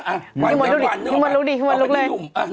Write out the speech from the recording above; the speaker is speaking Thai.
คุณมั่วลุกเลย